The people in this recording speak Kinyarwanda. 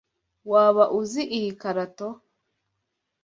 Waba uzi iyi karato?